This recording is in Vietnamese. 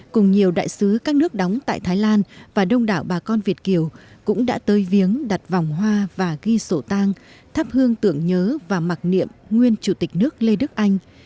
cùng nhiều đại sứ các nước đóng tại thái lan và đông đảo bà con việt kiều cũng đã tới viếng đặt vòng hoa và ghi sổ tang thắp hương tưởng nhớ và mặc niệm nguyên chủ tịch nước lê đức anh